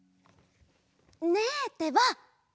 ねえってば！